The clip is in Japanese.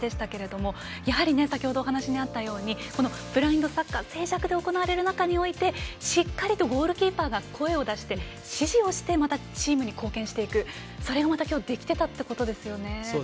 やはり先ほどお話にあったようにブラインドサッカー静寂で行われる中でしっかりゴールキーパーが声を出して指示をしてまたチームに貢献していくそれもまた今日できていたということですね。